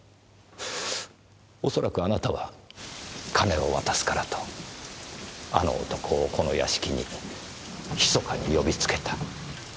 恐らくあなたは金を渡すからとあの男をこの屋敷に密かに呼びつけた。